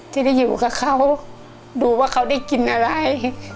ที่ได้อยู่กับเขาดูว่าเขาได้กินอะไร